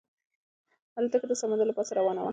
الوتکه د سمندر له پاسه روانه وه.